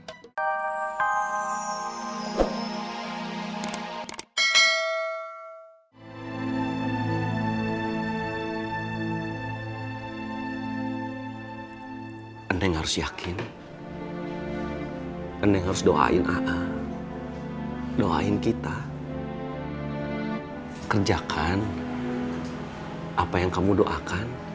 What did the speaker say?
hai andeng harus yakin andeng harus doain ah doain kita kerjakan apa yang kamu doakan